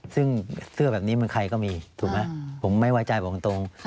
ซึ่งเสื้อแบบนี้มันใครก็มีถูกไหมผมไม่ไว้ใจบอกตรง